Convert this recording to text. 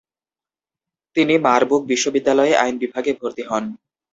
তিনি মার্বুর্গ বিশ্ববিদ্যালয়ে আইন বিভাগে ভর্তি হন।